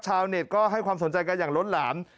ชาวเน็ตก็ให้ความสนใจกันอย่างล้นหลาม